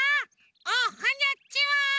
おはにゃちは！